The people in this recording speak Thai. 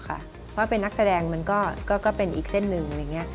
เพราะเป็นนักแสดงมันก็เป็นอีกเส้นหนึ่ง